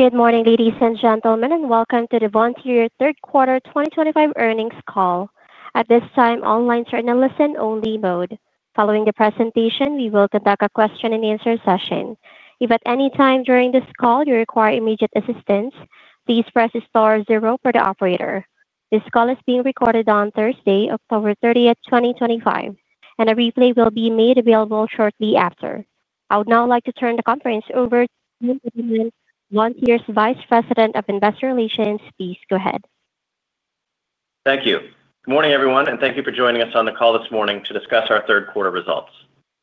Good morning ladies and gentlemen and welcome to the Vontier third quarter 2025 earnings call. At this time, all lines are in listen-only mode. Following the presentation, we will conduct a question and answer session. If at any time during this call you require immediate assistance, please press star zero for the operator. This call is being recorded on Thursday, October 30th, 2025, and a replay will be made available shortly after. I would now like to turn the conference over to Vontier's Vice President of Investor Relations. Please go ahead. Thank you. Good morning everyone and thank you for joining us on the call this morning to discuss our third quarter results.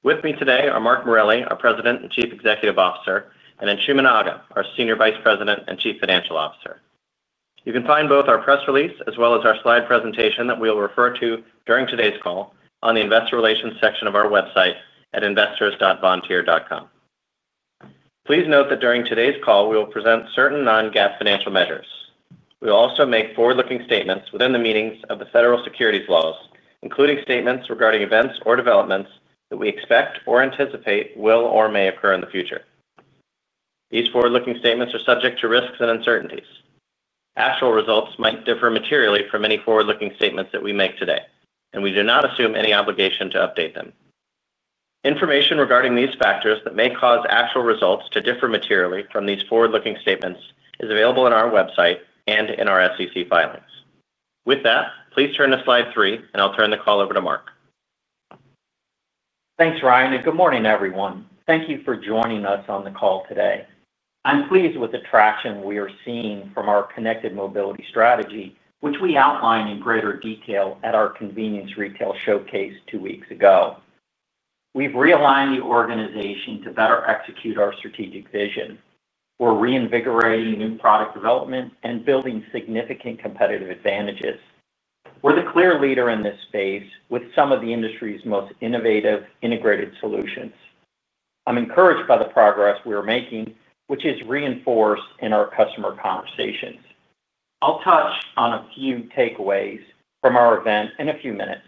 With me today are Mark Morelli, our President and Chief Executive Officer, and Anshooman Aga, our Senior Vice President and Chief Financial Officer. You can find both our press release as well as our slide presentation that we will refer to during today's call on the Investor Relations section of our website at investors.vontier.com. Please note that during today's call we will present certain non-GAAP financial measures. We will also make forward-looking statements within the meanings of the federal securities laws, including statements regarding events or developments that we expect or anticipate will or may occur in the future. These forward-looking statements are subject to risks and uncertainties. Actual results might differ materially from any forward-looking statements that we make today and we do not assume any obligation to update them. Information regarding these factors that may cause actual results to differ materially from these forward-looking statements is available on our website and in our SEC filings. With that, please turn to slide three and I'll turn the call over to Mark. Thanks Ryan and good morning everyone. Thank you for joining us on the call today. I'm pleased with the traction we are seeing from our Connected Mobility strategy which we outlined in greater detail at our convenience retail showcase two weeks ago. We've realigned the organization to better execute our strategic vision. We're reinvigorating new product development and building significant competitive advantages. We're the clear leader in this space with some of the industry's most innovative integrated solutions. I'm encouraged by the progress we are making, which is reinforced in our customer conversations. I'll touch on a few takeaways from our event in a few minutes.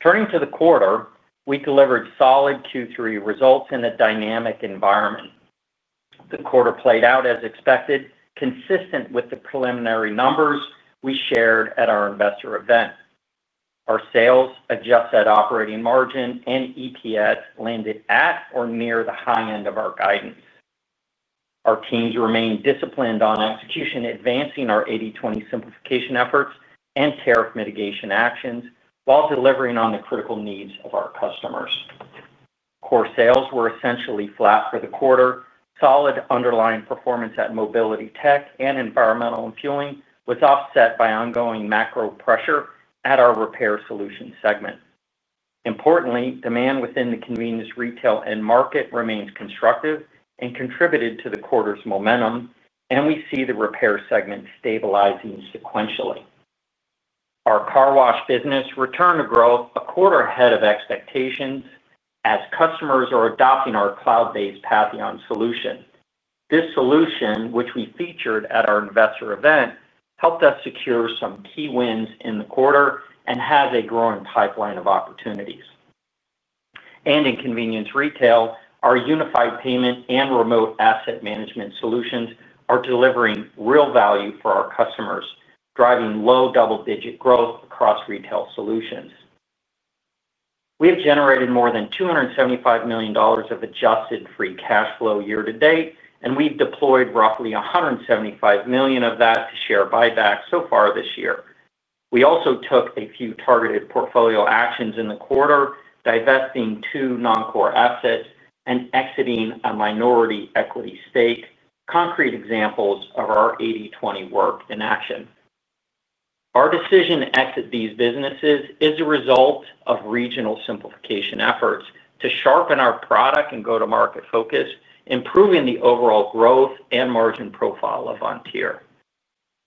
Turning to the quarter, we delivered solid Q3 results in a dynamic environment. The quarter played out as expected, consistent with the preliminary numbers we shared at our investor event. Our sales, adjusted operating margin, and EPS landed at or near the high end of our guidance. Our teams remain disciplined on execution, advancing our 80/20 simplification efforts and tariff mitigation actions while delivering on the critical needs of our customers. Core sales were essentially flat for the quarter. Solid underlying performance at Mobility Technologies and Environmental & Fueling Solutions was offset by ongoing macro-economic pressures at our Repair Solutions segment. Importantly, demand within the convenience retail end market remains constructive and contributed to the quarter's momentum, and we see the Repair segment stabilizing car wash business returned to growth a quarter ahead of expectations as customers are adopting our cloud-based Patheon solution. This solution, which we featured at our investor event, helped us secure some key wins in the quarter and has a growing pipeline of opportunities in convenience retail. Our unified payment and remote asset management solutions are delivering real value for our customers, driving low double-digit growth across retail solutions. We have generated more than $275 million of adjusted free cash flow year-to-date, and we've deployed roughly $175 million of that to share buybacks so far this year. We also took a few targeted portfolio actions in the quarter, divesting two non-core assets and exiting a minority equity stake. Concrete examples of our 80/20 simplification work in action. Our decision to exit these businesses is a result of regional simplification efforts to sharpen our product and go-to-market focus, improving the overall growth and margin profile of Vontier.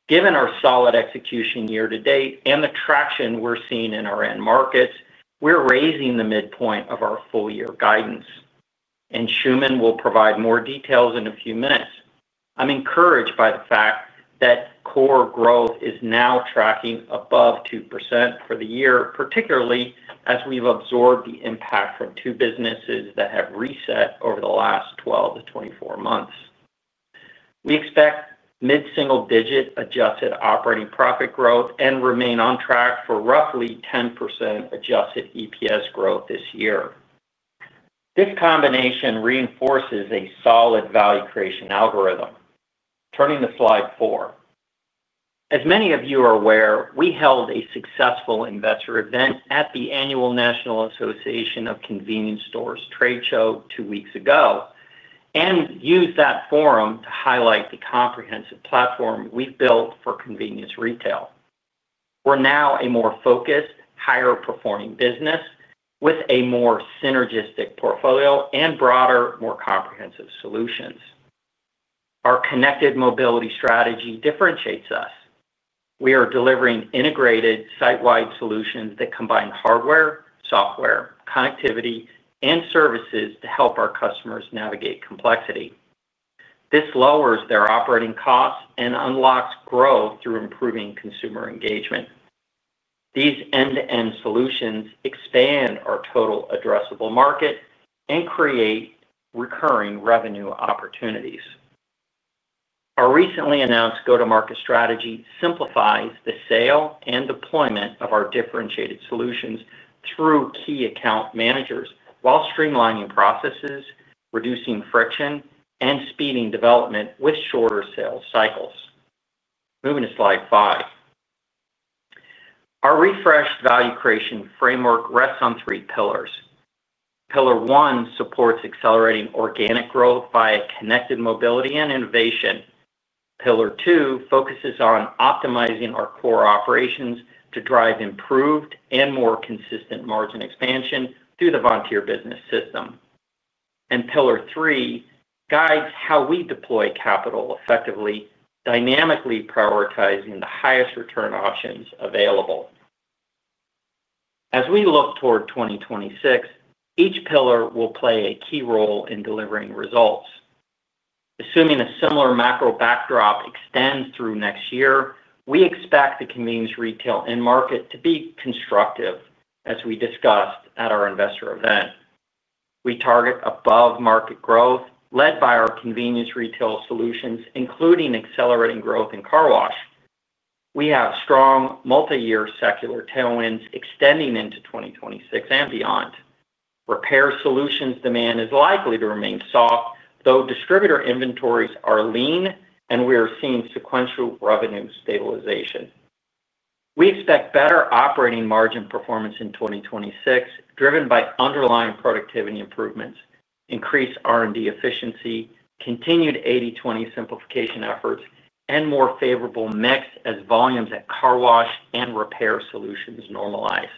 Given our solid execution year-to-date and the traction we're seeing in our end markets, we're raising the midpoint of our full-year guidance, and Anshooman will provide more details in a few minutes. I'm encouraged by the fact that core growth is now tracking above 2% for the year, particularly as we've absorbed the impact from two businesses that have reset over the last 12-24 months. We expect mid-single-digit adjusted operating profit growth and remain on track for roughly 10% adjusted EPS growth this year. This combination reinforces a solid value creation algorithm. Turning to slide four, as many of you are aware, we held a successful investor event at the annual National Association of Convenience Stores Trade Show two weeks ago and used that forum to highlight the comprehensive platform we've built for convenience retail. We're now a more focused, higher-performing business with a more synergistic portfolio and broader, more comprehensive solutions. Our connected mobility strategy differentiates us. We are delivering integrated site-wide solutions that combine hardware, software, connectivity, and services to help our customers navigate complexity. This lowers their operating costs and unlocks growth through improving consumer engagement. These end-to-end solutions expand our total addressable market and create recurring revenue opportunities. Our recently announced go-to-market strategy simplifies the sale and deployment of our differentiated solutions through key account managers, while streamlining processes, reducing friction, and speeding development with shorter sales cycles. Moving to slide five, our refreshed value creation framework rests on three pillars. Pillar one supports accelerating organic growth via connected mobility and innovation. Pillar two focuses on optimizing our core operations to drive improved and more consistent margin expansion through the Vontier Business System, and Pillar three guides how we deploy capital effectively, dynamically prioritizing the highest return options available. As we look toward 2026, each pillar will play a key role in delivering results. Assuming a similar macro backdrop extends through next year, we expect the convenience retail end market to be constructive as we discussed at our investor event. We target above-market growth led by our convenience retail solutions, car wash. we have strong multi-year secular tailwinds extending into 2026 and beyond. Repair Solutions demand is likely to remain soft, though distributor inventories are lean and we are seeing sequential revenue stabilization. We expect better operating margin performance in 2026 driven by underlying productivity improvements, increased R&D efficiency, continued 80/20 simplification efforts, and more favorable mix as car wash and repair Solutions normalize.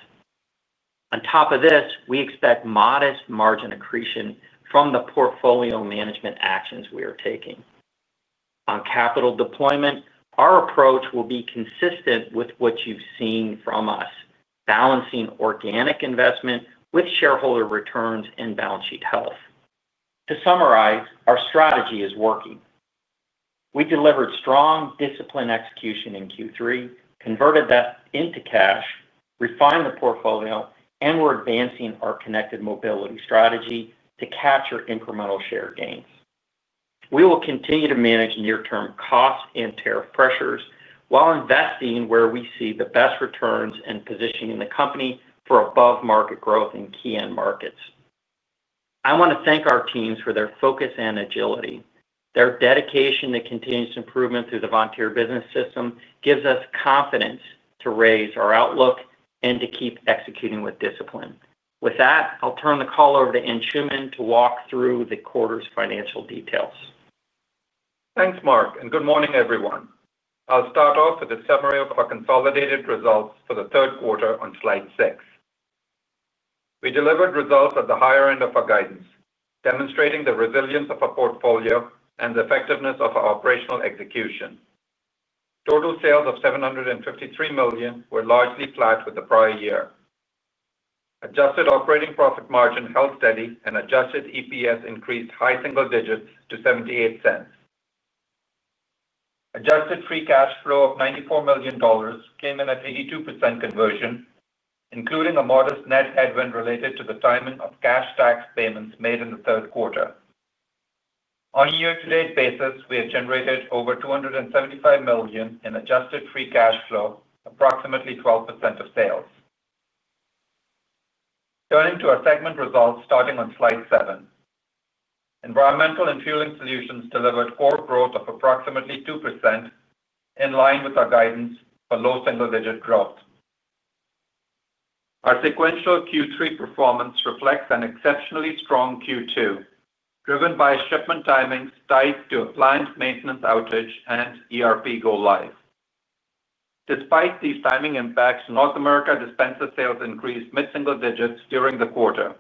On top of this, we expect modest margin accretion from the portfolio management actions we are taking on capital deployment. Our approach will be consistent with what you've seen from us, balancing organic investment with shareholder returns and balance sheet health. To summarize, our strategy is working. We delivered strong, disciplined execution in Q3, converted that into cash, refined the portfolio, and we're advancing our connected mobility strategy to capture incremental share gains. We will continue to manage near-term costs and tariff pressures while investing where we see the best returns and positioning the company for above-market growth in key end markets. I want to thank our teams for their focus and agility. Their dedication to continuous improvement through the Vontier business system gives us confidence to raise our outlook and to keep executing with discipline. With that, I'll turn the call over to Anshooman to walk through the quarter's financial details. Thanks Mark and good morning everyone. I'll start off with a summary of our consolidated results for the third quarter. On slide six, we delivered results at the higher end of our guidance, demonstrating the resilience of our portfolio and the effectiveness of our operational execution. Total sales of $753 million were largely flat with the prior year. Adjusted operating profit margin held steady, and adjusted EPS increased high-single-digits to $0.78. Adjusted free cash flow of $94 million came in at 82% conversion, including a modest net headwind related to the timing of cash tax payments made in the third quarter. On a year-to-date basis, we have generated over $275 million in adjusted free cash flow, approximately 12% of sales. Turning to our segment results, starting on slide 7, Environmental & Fueling Solutions delivered core growth of approximately 2% in line with our guidance for low single-digit growth. Our sequential Q3 performance reflects an exceptionally strong Q2 driven by shipment timings tied to appliance maintenance outage and ERP go-live. Despite these timing impacts, North America dispenser sales increased mid-single-digits during the quarter.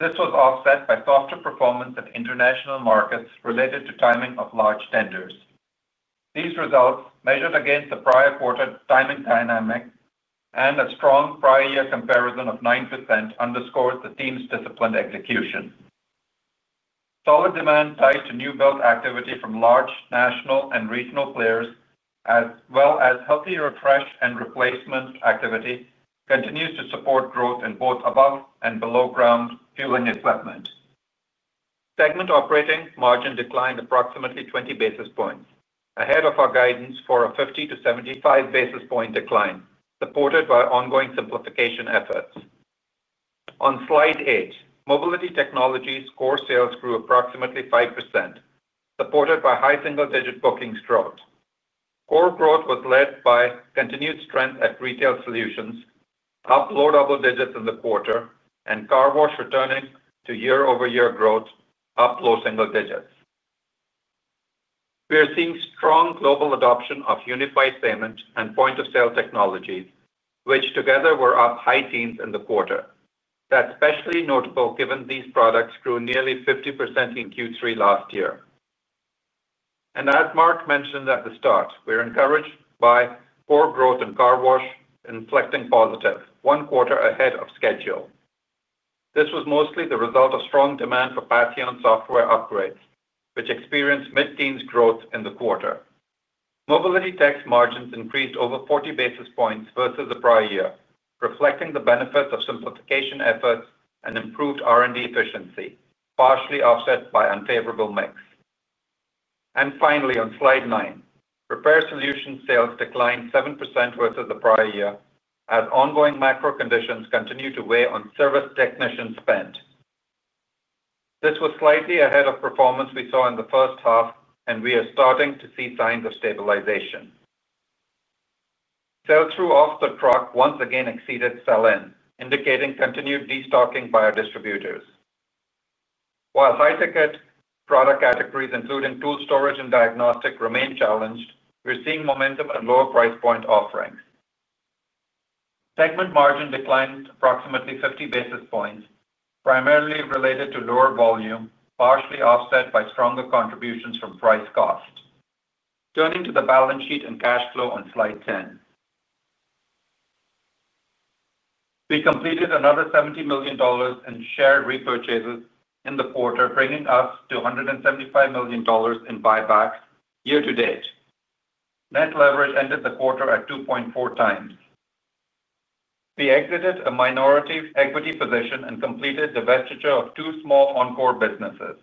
This was offset by softer performance at international markets related to timing of large tenders. These results, measured against the prior quarter timing dynamic and a strong prior year comparison of 9%, underscore the team's disciplined execution. Solid demand tied to new build activity from large national and regional players as well as healthy refresh and replacement activity continues to support growth in both above and below ground fueling equipment. Segment operating margin declined approximately 20 basis points ahead of our guidance for a 50-75 basis point decline, supported by ongoing simplification efforts. On slide eight, Mobility Technologies core sales grew approximately 5% supported by high single-digit bookings. Core growth was led by continued strength at Retail Solutions, up low-double-digits in the car wash returning to year-over-year growth, up low single digits. We are seeing strong global adoption of unified payment and point-of-sale technologies, which together were up high teens in the quarter. That's especially notable given these products grew nearly 50% in Q3 last year. As Mark mentioned at the start, we're encouraged by core car wash inflecting positive one quarter ahead of schedule. This was mostly the result of strong demand for Patheon software upgrades, which experienced mid-teens growth in the quarter. Mobility Tech's margins increased over 40 basis points versus the prior year, reflecting the benefits of simplification efforts and improved R&D efficiency, partially offset by unfavorable mix. Finally, on slide nine, Repair Solutions sales declined 7% versus the prior year as ongoing macro-economic conditions continue to weigh on service technician spend. This was slightly ahead of performance we saw in the first half, and we are starting to see signs of stabilization. Sell-through off the truck once again exceeded sell-in, indicating continued destocking by our distributors. While high-ticket product categories, including tool storage and diagnostic, remain challenged, we're seeing momentum in lower price point offerings. Segment margin declined approximately 50 basis points, primarily related to lower volume, partially offset by stronger contributions from price cost. Turning to the balance sheet and cash flow, on slide 10, we completed another $70 million in share repurchases in the quarter, bringing us to $175 million in buybacks year-to-date. Net leverage ended the quarter at 2.4x. We exited a minority equity position and completed divestiture of two small encore businesses: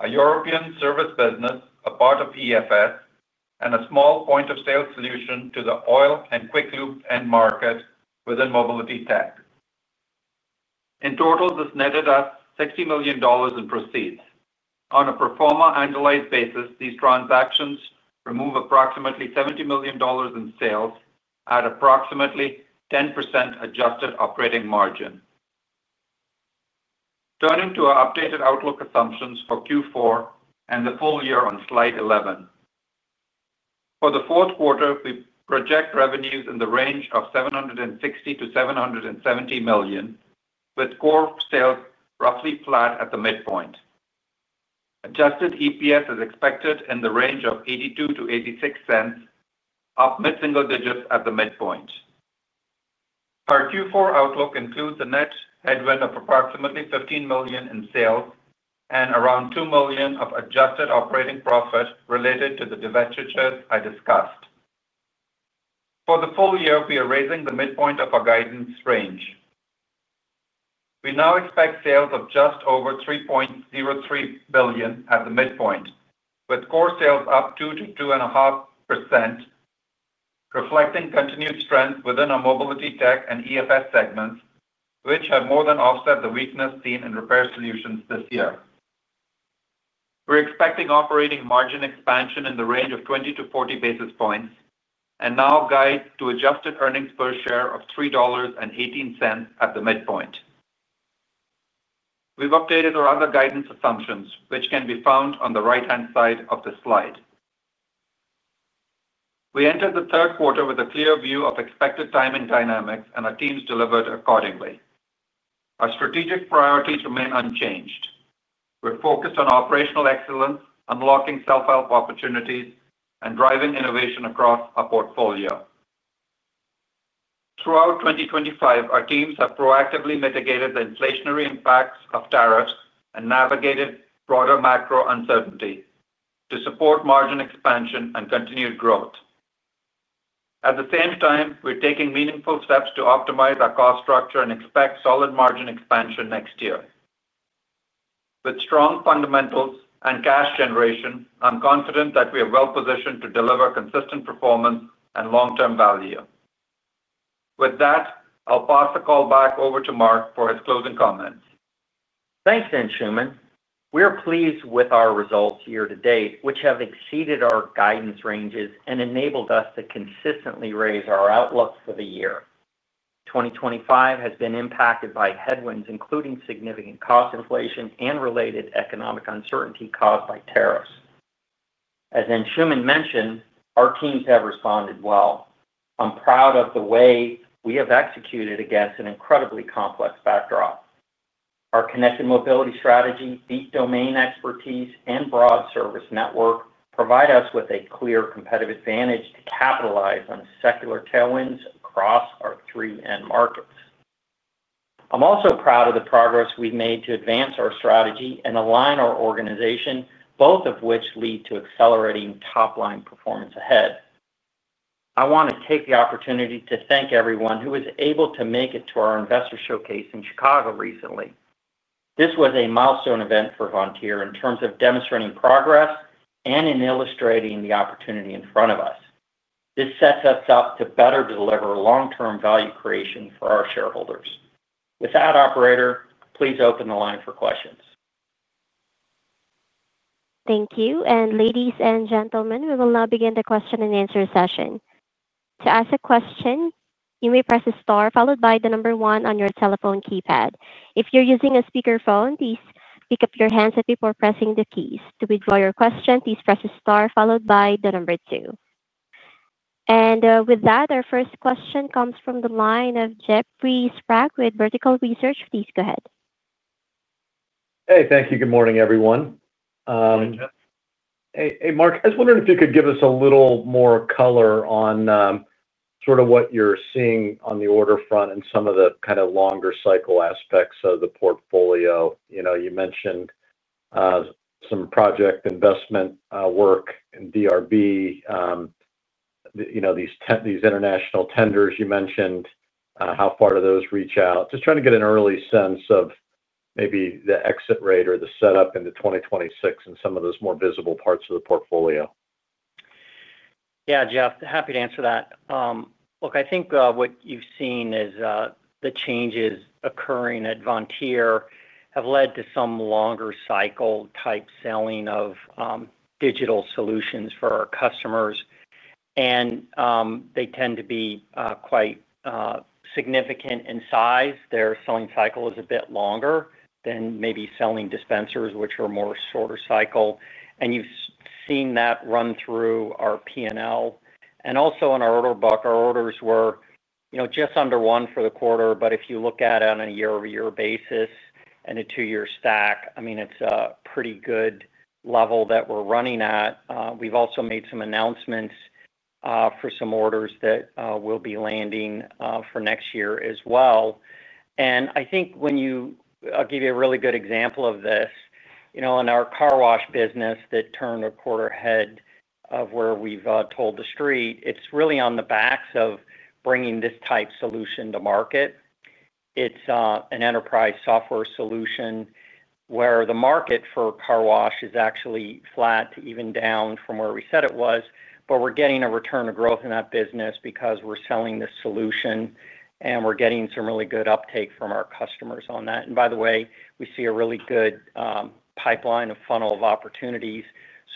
a European service business, a part of EFS, and a small point-of-sale solution to the oil and quick lube end market within Mobility Tech. In total, this netted us $60 million in proceeds on a pro forma annualized basis. These transactions remove approximately $70 million in sales at approximately 10% adjusted operating margin. Turning to our updated outlook assumptions for Q4 and the full year, on slide 11. For the fourth quarter we project revenues in the range of $760 million-$770 million, with core sales roughly flat at the midpoint. Adjusted EPS is expected in the range of $0.82-$0.86, up mid-single digits at the midpoint. Our Q4 outlook includes a net headwind of approximately $15 million in sales and around $2 million of adjusted operating profit related to the divestitures I discussed. For the full year, we are raising the midpoint of our guidance range. We now expect sales of just over $3.03 billion at the midpoint, with core sales up 2%-2.5%, reflecting continued strength within our Mobility Tech and EFS segments, which have more than offset the weakness seen in Repair Solutions. This year we're expecting operating margin expansion in the range of 20-40 basis points and now guide to adjusted earnings per share of $3.18 at the midpoint. We've updated our other guidance assumptions, which can be found on the right hand side of the slide. We entered the third quarter with a clear view of expected timing dynamics, and our teams delivered accordingly. Our strategic priorities remain unchanged. We're focused on operational excellence, unlocking self help opportunities, and driving innovation across our portfolio throughout 2025. Our teams have proactively mitigated the inflationary impacts of tariffs and navigated broader macro uncertainty to support margin expansion and continued growth. At the same time, we're taking meaningful steps to optimize our cost structure and expect solid margin expansion next year. With strong fundamentals and cash generation, I'm confident that we are well positioned to deliver consistent performance and long term value. With that, I'll pass the call back over to Mark for his closing comments. Thanks Anshooman. We are pleased with our results year-to-date, which have exceeded our guidance ranges and enabled us to consistently raise our outlook for the year. 2025 has been impacted by headwinds including significant cost inflation and related economic uncertainty caused by tariffs. As Anshooman mentioned, our teams have responded well. I'm proud of the way we have executed against an incredibly complex backdrop. Our connected mobility strategy, deep domain expertise, and broad service network provide us with a clear competitive advantage to capitalize on secular tailwinds across our three end markets. I'm also proud of the progress we've made to advance our strategy and align our organization, both of which lead to accelerating top line performance ahead. I want to take the opportunity to thank everyone who was able to make it to our investor showcase in Chicago recently. This was a milestone event for Vontier in terms of demonstrating progress and in illustrating the opportunity in front of us. This sets us up to better deliver long term value creation for our shareholders. With that, operator, please open the line for questions. Thank you, ladies and gentlemen, we will now begin the question and answer session. To ask a question, you may press star followed by the number one on your telephone keypad. If you're using a speakerphone, please pick up your handset before pressing the keys. To withdraw your question, please press star followed by the number two. Our first question comes from the line of Jeff Sprague with Vertical Research. Please go ahead. Thank you. Good morning, everyone. Hey Mark, I was wondering if you could give us a little more color on sort of what you're seeing on the order front and some of the kind of longer cycle aspects of the portfolio. You know, you mentioned some project investment work in DRB. You know these 10, these international tenders you mentioned. How far do those reach out? Just trying to get an early sense of maybe the exit rate or the setup into 2026 and some of those more visible parts of the portfolio. Yeah, Jeff, happy to answer that. Look, I think what you've seen is the changes occurring at Vontier have led to some longer cycle type selling of digital solutions for our customers. They tend to be quite significant in size. Their selling cycle is a bit longer than maybe selling dispensers which are more shorter cycle. You've seen that run through our P&L and also in our order book. Our orders were just under one for the quarter, but if you look at it on a year-over-year basis and a two year stack, it's a pretty good level that we're running at. We've also made some announcements for some orders that will be landing for next year as well. I think when you I'll give you a really good example of this, car wash business that turned a quarter ahead of where we've told the street. It's really on the backs of bringing this type solution to market. It's an enterprise software solution where the car wash is actually flat even down from where we said it was. We're getting a return of growth in that business because we're selling this solution and we're getting some really good uptake from our customers on that. By the way, we see a really good pipeline of funnel of opportunities.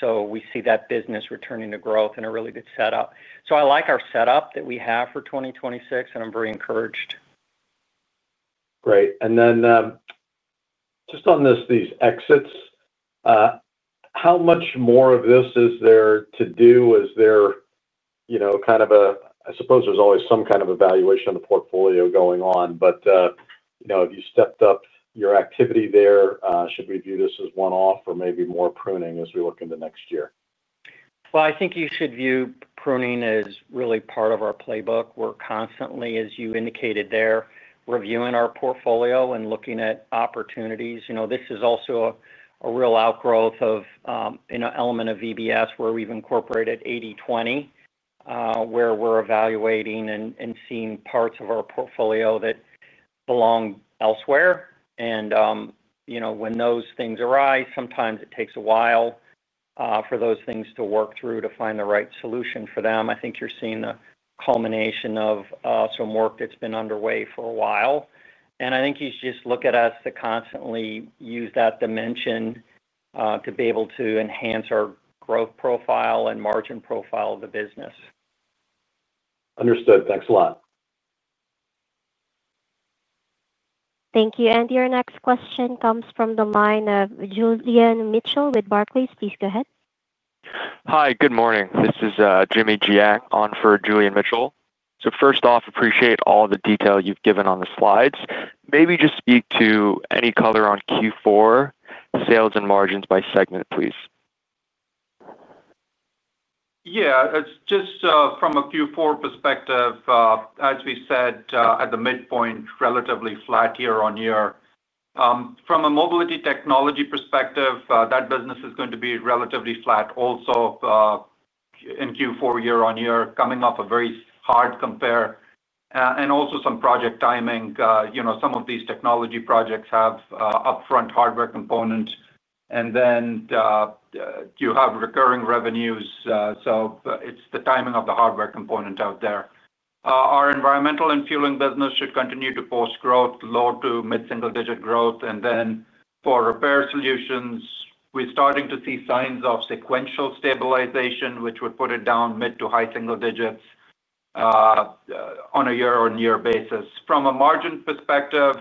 We see that business returning to growth in a really good setup. I like our setup that we have for 2026 and I'm very encouraged. Great. And then just on this, these exits, how much more of this is there to do? Is there, you know, kind of a, I suppose there's always some kind of evaluation of the portfolio going on. You know, have you stepped up your activity there? Should we view this as one off or maybe more pruning as we look into next year? You should view pruning as really part of our playbook. We're constantly, as you indicated there, reviewing our portfolio and looking at opportunities. This is also a real outgrowth of an element of VBS where we've incorporated 80/20 where we're evaluating and seeing parts of our portfolio that belong elsewhere. When those things arise, sometimes it takes a while for those things to work through to find the right solution for them. I think you're seeing the culmination of some work that's been underway for a while, and I think you should just look at us to constantly use that dimension to be able to enhance our growth profile and margin profile of the business. Understood, thanks a lot. Thank you. Your next question comes from the line of Julian Mitchell with Barclays. Please go ahead. Hi, good morning, this is Jimmy Jiang on for Julian Mitchell. First off, appreciate all the detail you've given on the slides. Maybe just speak to any color on Q4 sales and margins by segment please. Yeah, it's just from a Q4 perspective as we said at the midpoint, relatively flat year-on-year. From a Mobility Technologies perspective that business is going to be relatively flat also in Q4 year-on-year coming off a very hard compare and also some project timing. Some of these technology projects have upfront hardware component and then you have recurring revenues. It's the timing of the hardware component out there. Our Environmental & Fueling Solutions business should continue to post growth, low to mid single digit growth. For Repair Solutions we're starting to see signs of sequential stabilization which would put it down mid to high-single-digits on a year-on-year basis. From a margin perspective,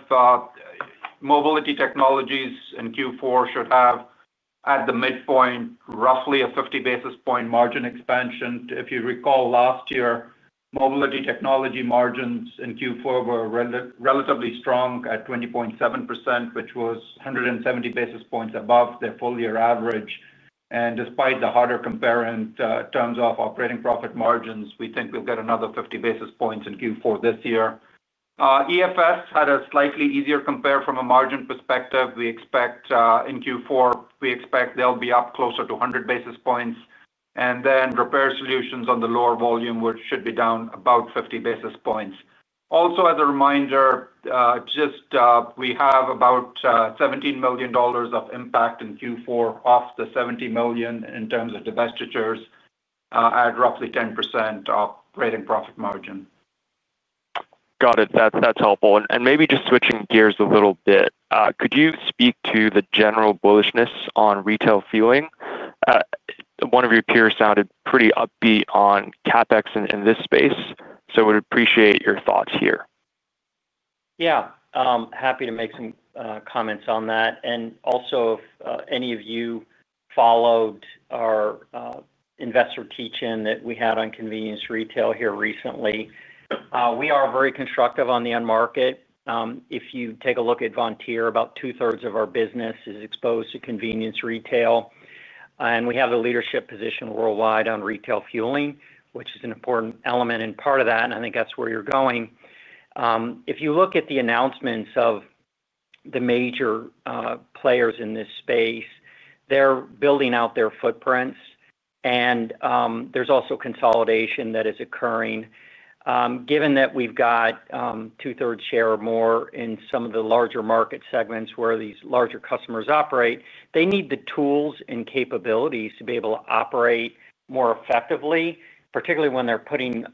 Mobility Technologies in Q4 should have at the midpoint roughly a 50 basis point margin expansion. If you recall, last year Mobility Technologies margins in Q4 were relatively strong at 20.7% which was 170 basis points above their full year average. Despite the harder compare in terms of operating profit margins, we think we'll get another 50 basis points in Q4 this year. EFS had a slightly easier compare from a margin perspective. We expect in Q4 they'll be up closer to 100 basis points and then Repair Solutions on the lower volume should be down about 50 basis points. Also as a reminder, we have about $17 million of impact in Q4 off the $70 million in terms of divestit at roughly 10% operating profit margin. Got it. That's helpful. Maybe just switching gears a little bit, could you speak to the general bullishness on retail fueling? One of your peers sounded pretty upbeat on CapEx in this space, so would appreciate your thoughts here. Yeah, happy to make some comments on that. Also, if any of you followed our investor teach-in that we had on convenience retail here recently, we are very constructive on the end market. If you take a look at Vontier, about 2/3 of our business is exposed to convenience retail and we have the leadership position worldwide on retail fueling, which is an important element and part of that. I think that's where you're going. If you look at the announcements of the major players in this space, they're building out their footprints and there's also consolidation that is occurring. Given that we've got 2/3 share or more in some of the larger market segments where these larger customers operate, they need the tools and capabilities to be able to operate more effectively, particularly when they're putting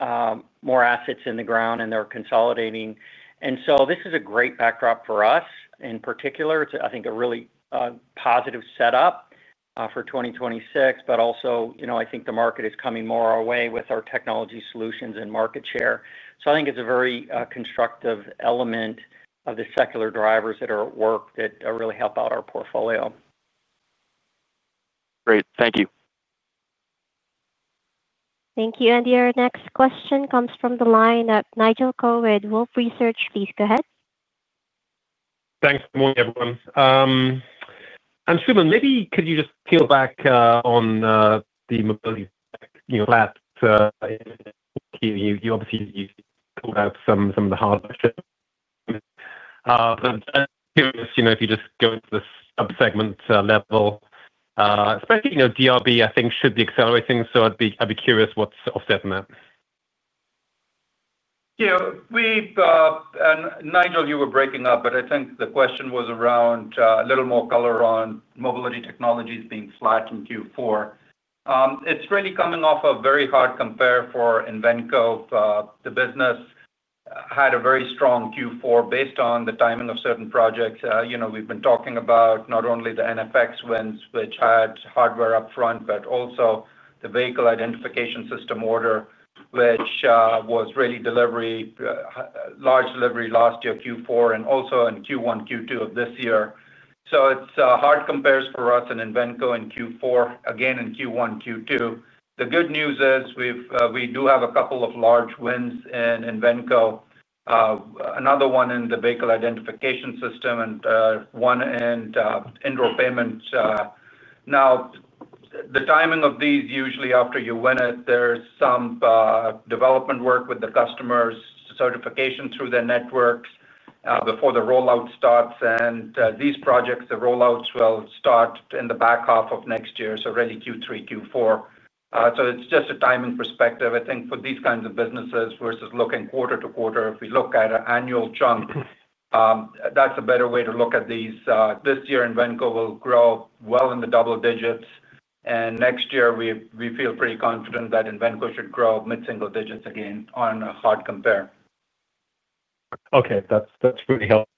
more assets in the ground and they're consolidating. This is a great backdrop for us in particular, I think a really positive setup for 2026. Also, I think the market is coming more our way with our technology solutions and market share. I think it's a very constructive element of the secular drivers that are at work that really help out our portfolio. Great, thank you. Thank you. Your next question comes from the line of Nigel Coe with Wolfe Research. Please go ahead. Thanks. Good morning everyone. Anshooman, maybe could you just peel back on the mobility. You obviously pulled out some of the hardware. If you just go to the segment level, especially DRB, I think should be accelerating. I'd be curious what's offset on that. Yeah, Nigel, you were breaking up but I think the question was around a little more color on Mobility Technologies being flat in Q4. It's really coming off a very hard compare for Invenco. The business had a very strong Q4 based on the timing of certain projects. We've been talking about not only the NFX wins which had hardware upfront but also the vehicle identification system order which was really delivery, large delivery last year, Q4 and also in Q1, Q2 of this year. It's hard compares for us in Invenco in Q4 again in Q1, Q2. The good news is we do have a couple of large wins in Invenco, another one in the vehicle identification system and one in indoor payments. The timing of these, usually after you win it, there's some development work with the customers, certification through their networks before the rollout starts. These projects, the rollouts will start in the back half of next year, really Q3, Q4. It's just a timing perspective I think for these kinds of businesses versus looking quarter-to-quarter. If we look at an annual chunk, that's a better way to look at these. This year Invenco will grow well in the double digits and next year we feel pretty confident that Invenco should grow mid-single-digits again on a hard compare. That's really helpful.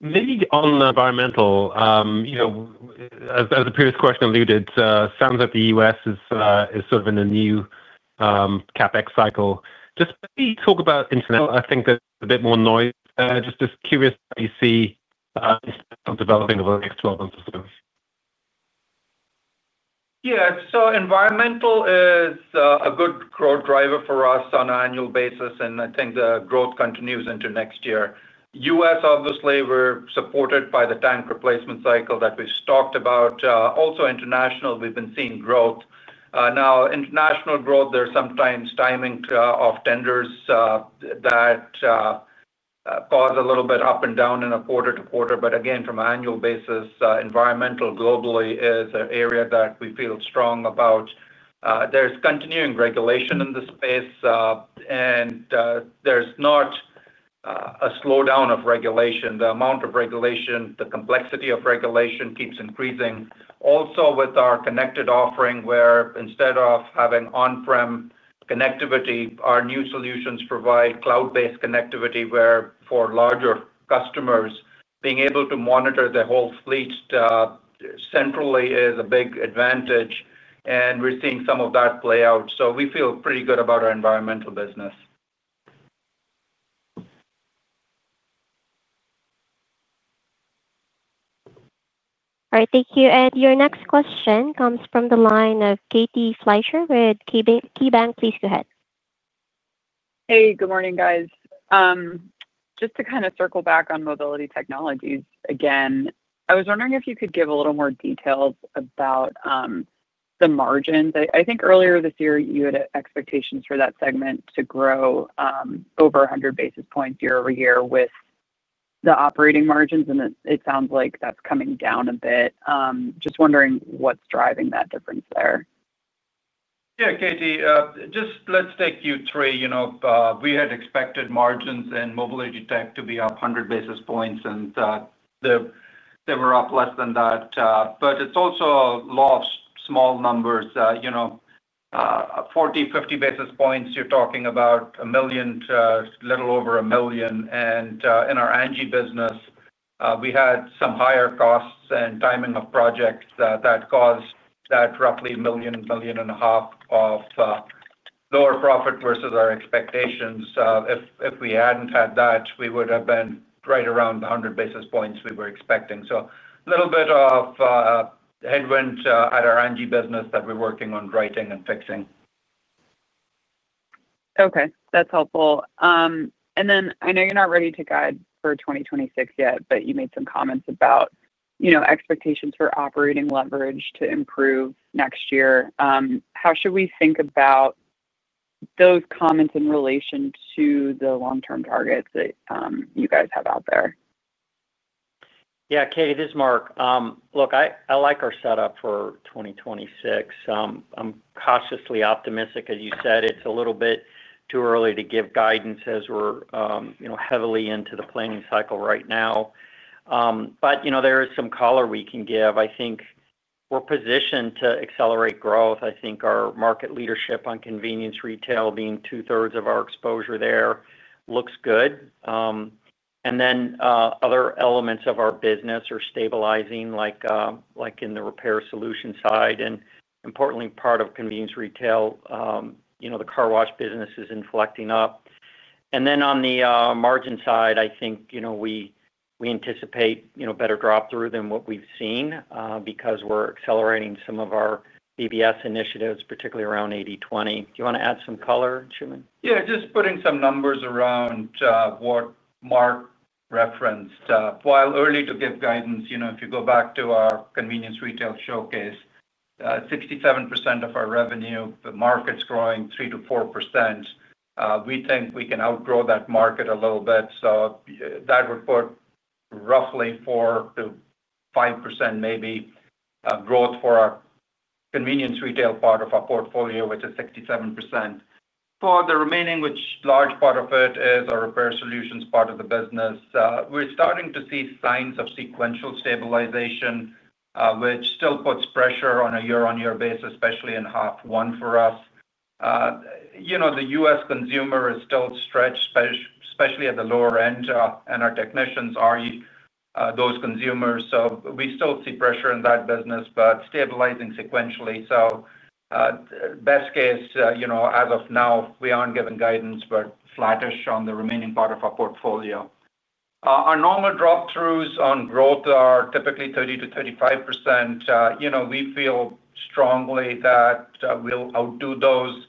Maybe on environmental as the previous question alluded. Sounds like the U.S. is sort of in a new CapEx cycle. Just talk about environmental, I think that a bit more noise. Just curious how you see developing over the next 12 months or so. Environmental is a good growth driver for us on an annual basis and I think the growth continues into next year. U.S. obviously we're supported by the tank replacement cycle that we've talked about. Also international, we've been seeing growth now, international growth. There's sometimes timing of tenders that cause a little bit up and down in a quarter-to-quarter. Again from an annual basis, environmental globally is an area that we feel strong about. There's continuing regulation in the space and there's not a slowdown of regulation. The amount of regulation, the complexity of regulation keeps increasing. Also with our connected offering where instead of having on-premises connectivity, our new solutions provide cloud-based connectivity where for larger customers being able to monitor the whole fleet centrally is a big advantage and we're seeing some of that play out. We feel pretty good about our environmental business. All right, thank you. Your next question comes from the line of Katie Fleischer with KeyBanc. Please go ahead. Hey, good morning, guys. Just to kind of circle back on Mobility Technologies again, I was wondering if you could give a little more details about the margins. I think earlier this year you had expectations for that segment to grow over 100 basis points year-over-year with the operating margins. It sounds like that's coming down a bit. Just wondering what's driving that difference there. Yeah, Katie, just let's take Q3. We had expected margins in Mobility Technologies to be up 100 basis points and they were up less than that. It's also low numbers, you know, 40, 50 basis points. You're talking about $1 million, a little over $1 million. In our EFS business, we had some higher costs and timing of projects that caused that roughly $1 million, $1.5 million of lower profit versus our expectations. If we hadn't had that, we would have been right around the 100 basis points we were expecting. A little bit of headwind at our EFS business that we're working on righting and fixing. Okay, that's helpful. I know you're not ready to guide for 2026 yet, but you made some comments about, you know, expectations for operating leverage to improve next year. How should we think about those comments in relation to the long term targets that you guys have out there? Yeah, Katie, this is Mark. Look, I like our setup for 2026. I'm cautiously optimistic. As you said, it's a little bit too early to give guidance as we're heavily into the planning cycle right now. There is some color we can give. I think we're positioned to accelerate growth. I think our market leadership on convenience retail, being two thirds of our exposure there, looks good. Other elements of our business are stabilizing, like in the Repair Solutions side and, importantly, part of convenience car wash business is inflecting up. On the margin side, I think we anticipate better drop through than what we've seen because we're accelerating some of our BBS initiatives, particularly around 80/20. Do you want to add some color, Anshooman? Yeah, just putting some numbers around what Mark referenced. While early to give guidance, you know, if you go back to our convenience retail showcase, 67% of our revenue, the market's growing 3%-4%. We think we can outgrow that market a little bit. That would put roughly 4%-5% maybe growth for our convenience retail part of our portfolio, which is 67%. For the remaining, which large part of it is our Repair Solutions part of the business, we're starting to see signs of sequential stabilization, which still puts pressure on a year-on-year basis, especially in half one for us. You know the U.S. consumer is still stretched, especially at the lower end, and our technicians are those consumers. We still see pressure in that business but stabilizing sequentially. Best case, you know, as of now we aren't giving guidance but flattish on the remaining part of our portfolio. Our normal drop throughs on growth are typically 30%-35%. We feel strongly that we'll outdo those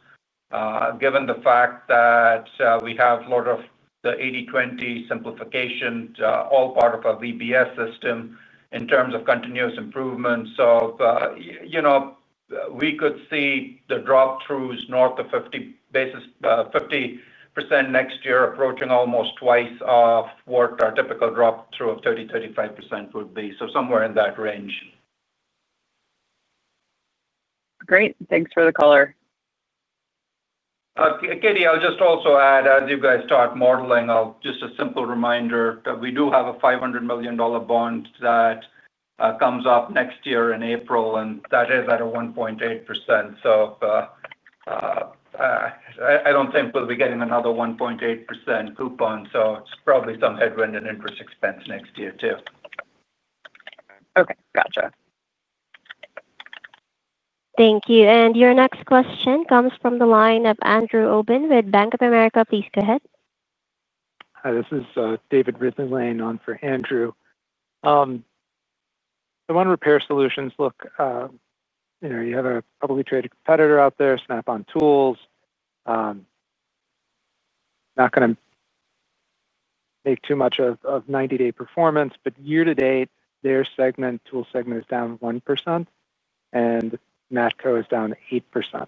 given the fact that we have a lot of the 80/20 simplification, all part of our VBS system in terms of continuous improvement. You know, we could see the drop throughs north of 50%, next year approaching almost twice of what our typical drop through of 30%-35% would be. Somewhere in that range. Great, thanks for the color. Katie, I'll just also add as you guys start modeling, just a simple reminder, we do have a $500 million bond that comes up next year in April and that is at 1.8%. I don't think we'll be getting another 1.8% coupon, so it's probably some headwind in interest expense next year too. Okay, gotcha. Thank you. Your next question comes from the line of Andrew Obin with Bank of America. Please go ahead. Hi, this is David Ridley-Lane on for Andrew. The one Repair Solutions. Look, you know you have a publicly traded competitor out there, Snap-on Tools. Not going to make too much of 90 day performance. year-to-date their segment, tool segment is down 1% and Matco is down 8%.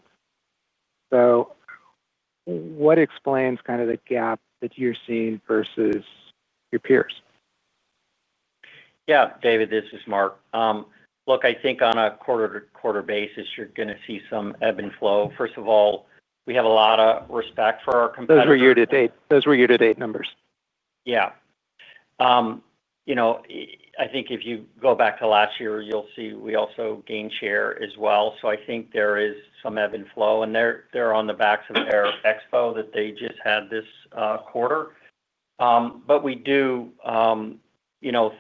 What explains kind of the gap that you're seeing versus your peers? Yeah, David, this is Mark. I think on a quarter-to-quarter basis you're going to see some ebb and flow. First of all, we have a lot of respect for our competitors. Those were year-to-date numbers. Yeah, you know, I think if you go back to last year, you'll see we also gained share as well. I think there is some ebb and flow, and they're on the backs of their expo that they just had this quarter. We do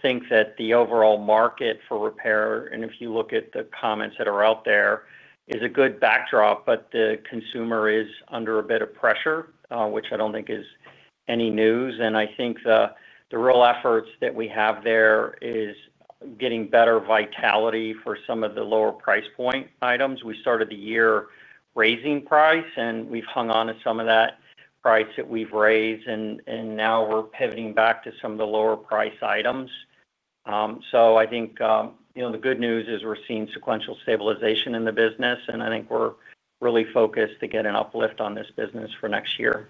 think that the overall market for repair, and if you look at the comments that are out there, is a good backdrop, but the consumer is under a bit of pressure, which I don't think is any news. I think the real efforts that we have there is getting better vitality for some of the lower price point items. We started the year raising price, and we've hung on to some of that price that we've raised, and now we're pivoting back to some of the lower price items. I think the good news is we're seeing sequential stabilization in the business, and I think we're really focused to get an uplift on this business for next year.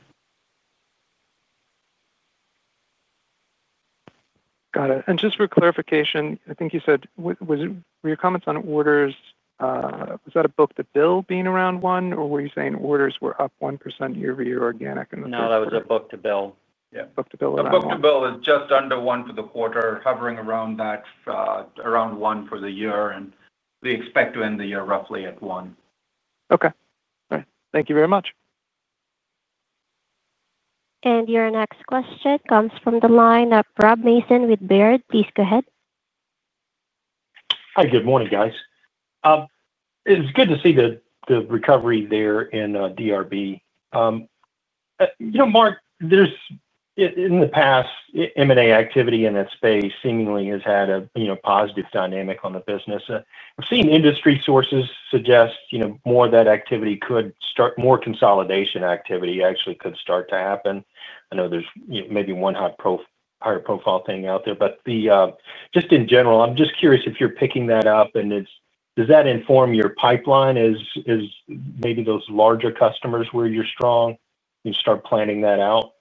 Got it. Just for clarification, I think you said your comments on orders, was that a book to bill being around or were you saying orders were up 1% year-over-year, organic? No, that was a book to bill. Yeah, book to bill. The book to bill is just under one for the quarter, hovering around that, around one for the year. We expect to end the year roughly at one. Okay, thank you very much. Your next question comes from the line of Rob Mason with Baird. Please go ahead. Hi. Good morning, guys. It's good to see the recovery there in DRB. You know, Mark, there's in the past M&A activity in that space seemingly has had a positive dynamic on the business. I've seen industry sources suggest more of that activity could start, more consolidation activity actually could start to happen. I know there's maybe one higher profile thing out there, but just in general, I'm just curious if you're picking that up and does that inform your pipeline as maybe those larger customers where you're strong, you start planning that out?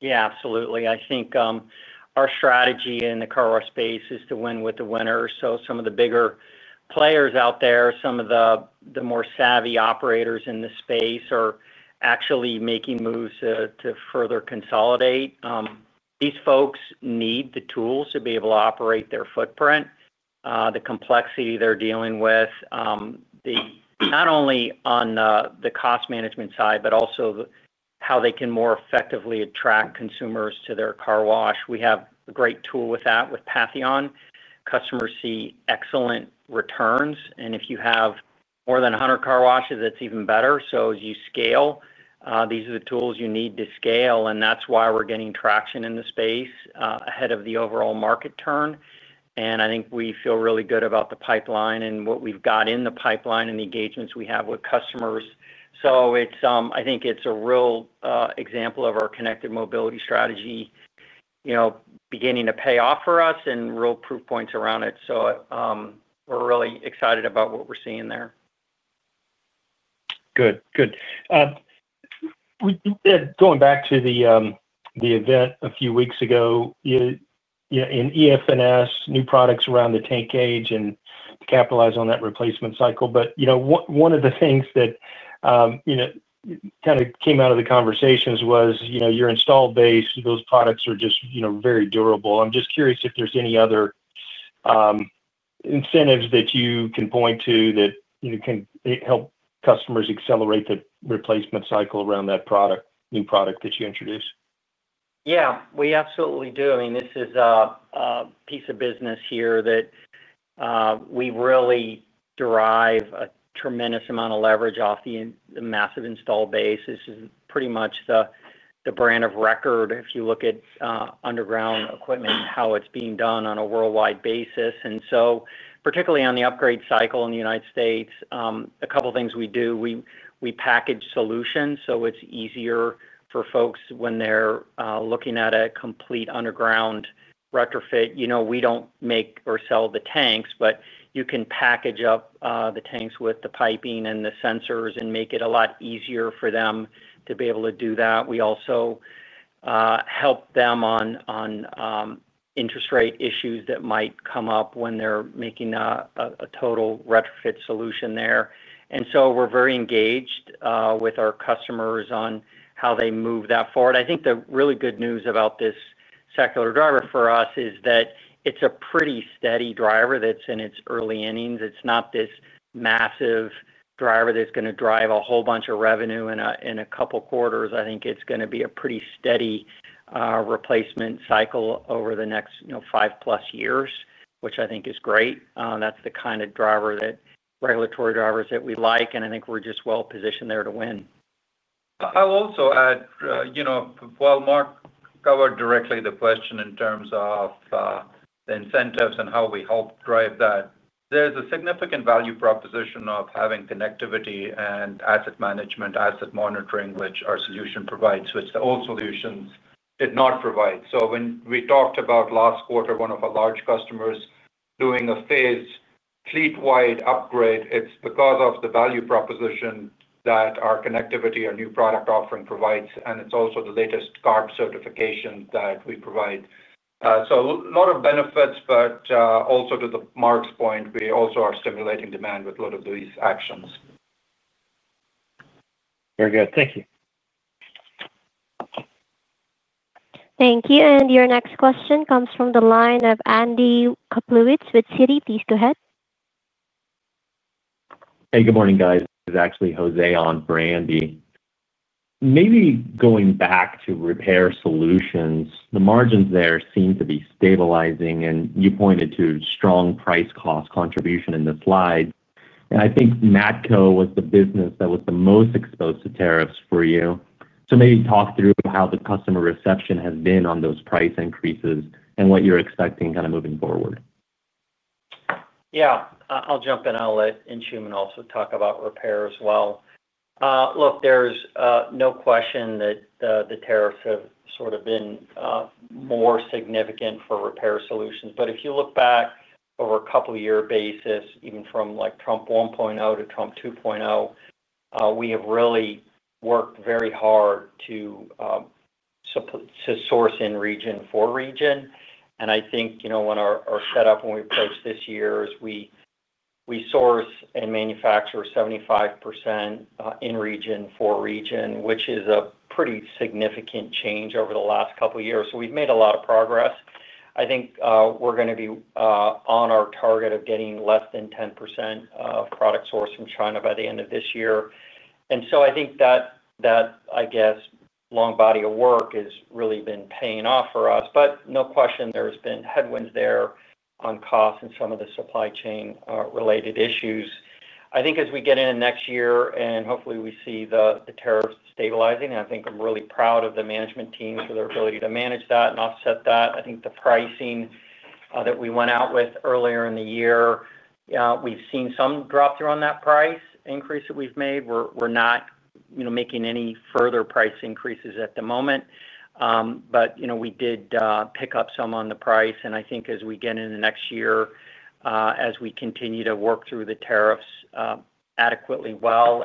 Yeah, absolutely. I think our strategy car wash base is to win with the winners. Some of the bigger players out there, some of the more savvy operators in the space are actually making moves to further consolidate. These folks need the tools to be able to operate their footprint. The complexity they're dealing with not only on the cost management side, but also how they can more effectively car wash. we have great tool with that. With Patheon, customers see excellent returns. If you car washes, that's even better. as you scale, these are the tools you need to scale. That's why we're getting traction in the space ahead of the overall market turn. I think we feel really good about the pipeline and what we've got in the pipeline and the engagements we have with customers. I think it's a real example of our connected mobility strategy beginning to pay off for us and real proof points around it. We're really excited about what we're seeing there. Good, good. Going back to the event a few weeks ago in EFS, new products around the tank gauge and capitalize on that replacement cycle. One of the things that came out of the conversations was your install base, those products are just very durable. I'm just curious if there's any other incentives that you can point to that can help customers accelerate the replacement cycle around that product, new product that you introduce. Yeah, we absolutely do. This is a piece of business here that we really derive a tremendous amount of leverage off the massive installed base. This is pretty much the brand of record. If you look at underground equipment, how it's being done on a worldwide basis and particularly on the upgrade cycle in the United States. A couple things we do, we package solutions so it's easier for folks when they're looking at a complete underground retrofit. We don't make or sell the tanks, but you can package up the tanks with the piping and the sensors and make it a lot easier for them to be able to do that. We also help them on interest rate issues that might come up when they're making a total retrofit solution there. We are very engaged with our customers on how they move that forward. I think the really good news about this secular driver for us is that it's a pretty steady driver that's in its early innings. It's not this massive driver that's going to drive a whole bunch of revenue in a couple quarters. I think it's going to be a pretty steady replacement cycle over the next five plus years, which I think is great. That's the kind of driver, regulatory drivers, that we like and I think we're just well positioned there to win. I will also add, while Mark covered directly the question in terms of the incentives and how we help drive that, there's a significant value proposition of having connectivity and asset management, asset monitoring, which our solution provides, which the old solutions did not provide. When we talked about last quarter, one of our large customers doing a phase fleet wide upgrade, it's because of the value proposition that our connectivity, our new product offering provides. It's also the latest CARB certification that we provide. There are a lot of benefits. Also, to Mark's point, we are stimulating demand with a lot of these actions. Very good. Thank you. Thank you. Your next question comes from the line of Andy Kaplowitz with Citi. Please go ahead. Hey, good morning guys. It's actually Jose on Andy, maybe going back to Repair Solutions. The margins there seem to be stabilizing, and you pointed to strong price cost contribution in the slide, and I think Matco was the business that was the most exposed to tariffs for you. Maybe talk through how the customer reception has been on those price increases and what you're expecting kind of moving forward. Yeah, I'll jump in. I'll let Anshooman also talk about Repair as well. Look, there's no question that the tariffs have sort of been more significant for Repair Solutions. If you look back over a couple year basis, even from like Trump 1.0-Trump 2.0, we have really worked very hard to source in region for region. I think, you know, when our setup, when we approach this year, is we source and manufacture 75% in region for region, which is a pretty significant change over the last couple years. We've made a lot of progress. I think we're going to be on our target of getting less than 10% of product sourced in China by the end of this year. I guess that long body of work has really been paying off for us. No question there's been headwinds there on costs and some of the supply chain related issues. I think as we get into next year and hopefully we see the tariffs stabilizing, I'm really proud of the management team for their ability to manage that and offset that. The pricing that we went out with earlier in the year, we've seen some drop through on that price increase that we've made. We're not making any further price increases at the moment, but we did pick up some on the price, and I think as we get into next year, as we continue to work through the tariffs adequately, we'll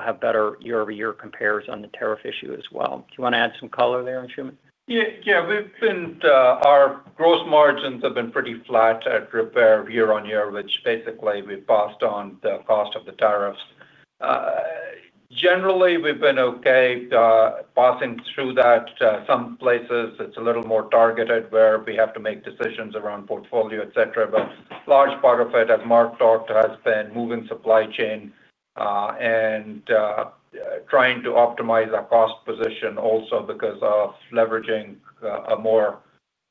have better year-over-year compares on the tariff issue as well. Do you want to add some color there, Anshooman? Yeah, our gross margins have been pretty flat at Repair year-on-year, which basically we passed on the cost of the tariffs. Generally we've been okay passing through that. Some places it's a little more targeted where we have to make decisions around portfolio, et cetera. A large part of it, as Mark Morelli talked, has been moving supply chain and trying to optimize our cost position. Also because of leveraging a more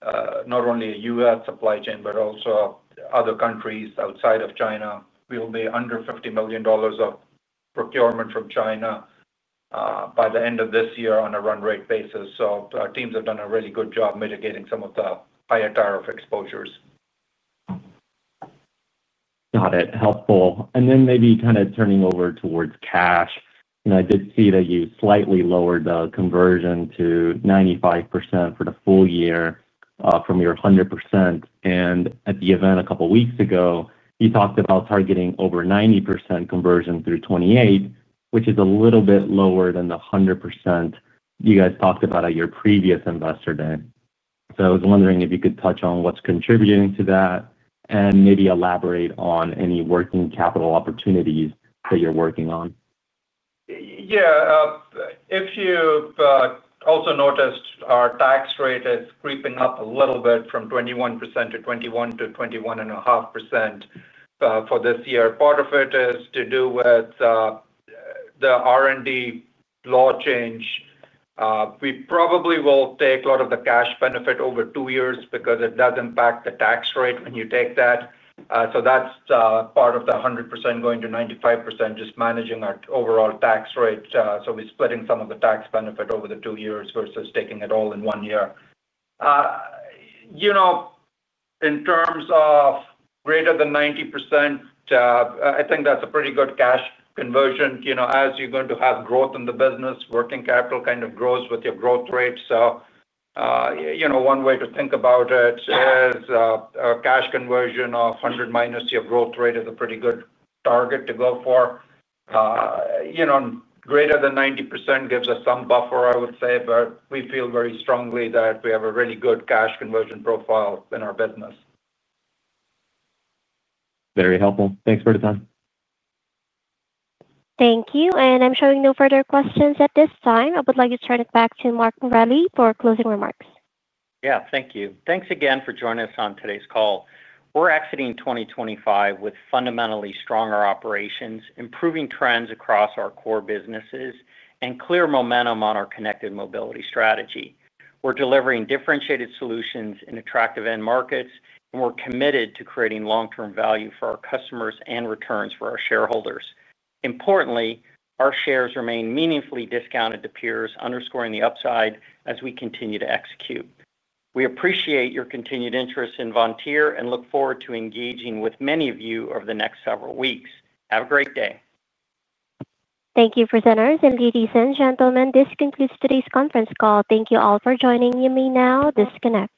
not only a U.S. supply chain, but also other countries outside of China. We will be under $50 million of procurement from China by the end of this year on a run rate basis. Our teams have done a really good job mitigating some of the higher tariff exposures. Got it. Helpful. Maybe kind of turning over towards cash, I did see that you slightly lowered the conversion to 95% for the full year from your 100%. At the event a couple weeks ago, you talked about targeting over 90% conversion through 2028, which is a little bit lower than the 100% you guys talked about at your previous investor day. I was wondering if you could touch on what's contributing to that and maybe elaborate on any working capital opportunities that you're working on. Yeah. If you also noticed, our tax rate is creeping up a little bit from 21%-21%-21.5% for this year. Part of it is to do with the R&D law change. We probably will take a lot of the cash benefit over two years because it does impact the tax rate when you take that. That's part of the 100% going to 95%, just managing our overall tax rate. We're splitting some of the tax benefit over the two years versus taking it all in one year. In terms of greater than 90%, I think that's a pretty good cash conversion. As you're going to have growth in the business, working capital kind of grows with your growth rate. One way to think about it is cash conversion of 100 minus your growth rate is a pretty good target to go for. Greater than 90% gives us some buffer, I would say. We feel very strongly that we have a really good cash conversion profile in our business. Very helpful. Thanks for the time. Thank you. I'm showing no further questions at this time. I would like to turn it back to Mark Morelli for closing remarks. Thank you. Thanks again for joining us on today's call. We're exiting 2025 with fundamentally stronger operations, improving trends across our core businesses, and clear momentum on our connected mobility strategy. We're delivering differentiated solutions in attractive end markets, and we're committed to creating long term value for our customers and returns for our shareholders. Importantly, our shares remain meaningfully discounted to peers, underscoring the upside as we continue to execute. We appreciate your continued interest in Vontier and look forward to engaging with many of you over the next several weeks. Have a great day. Thank you, presenters and ladies and gentlemen, this concludes today's conference call. Thank you all for joining. You may now disconnect.